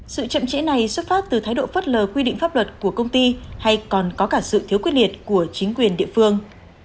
sự chậm trễ này xuất phát từ thái độ phất lờ quy định pháp luật của công ty hay còn có cả sự thiếu quyết liệt của chính quyền địa phương